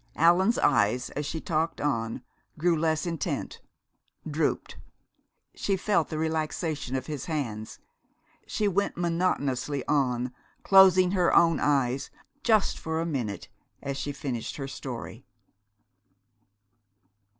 Allan's eyes, as she talked on, grew less intent drooped. She felt the relaxation of his hands. She went monotonously on, closing her own eyes just for a minute, as she finished her story.